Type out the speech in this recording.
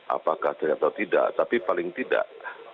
apakah terlihat atau tidak tapi paling tidak